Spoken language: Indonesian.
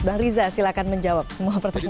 bang ariza silakan menjawab semua pertanyaan tadi